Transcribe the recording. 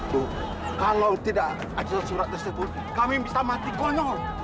tuh kalau tidak ada surat tersebut kami bisa mati konyol